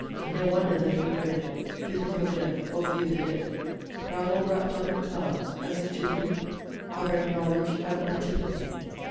no wonder that we dread To think of death, or view the dead; Thou'rt all wrapt up in clouds, as if to thee Our very knowledge had antipathy.